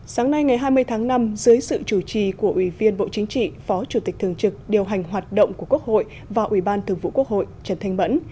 sáng nay ngày hai mươi tháng năm dưới sự chủ trì của ủy viên bộ chính trị phó chủ tịch thường trực điều hành hoạt động của quốc hội và ủy ban thường vụ quốc hội trần thanh mẫn